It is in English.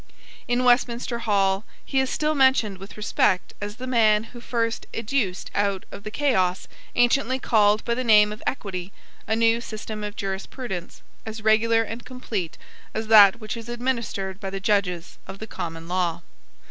In Westminster Hall he is still mentioned with respect as the man who first educed out of the chaos anciently called by the name of equity a new system of jurisprudence, as regular and complete as that which is administered by the judges of the Common Law.